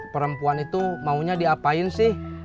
perempuan itu maunya diapain sih